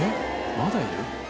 まだいる？